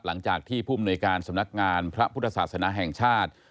หลังจากที่ภูมิหน่วยการสำนักงานพระพุทธศาสนาแห่งชาติ